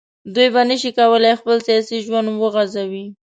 دوی به نه شي کولای خپل سیاسي ژوند وغځوي